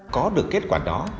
có được kết quả đó